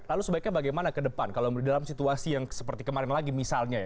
lalu sebaiknya bagaimana ke depan kalau dalam situasi yang seperti kemarin lagi misalnya ya